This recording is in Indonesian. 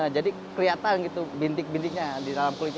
jadi kelihatan gitu bintik bintiknya di dalam kulitnya